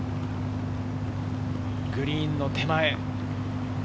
グリーンの手前。